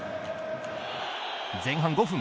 前半５分。